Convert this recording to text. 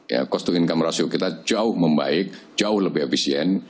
ya kostum income ratio kita jauh membaik jauh lebih efisien